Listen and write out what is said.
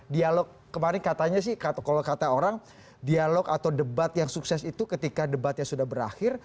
dialog kemarin katanya sih kalau kata orang dialog atau debat yang sukses itu ketika debatnya sudah berakhir